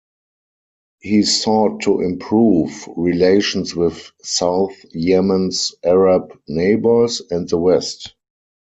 He sought to improve relations with South Yemen's Arab neighbours and the West.